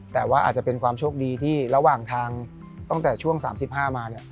แต่ว่าอาจจะเป็นความโชคดีที่ระหว่างทางตั้งแต่ช่วง๓๕มาเนี่ย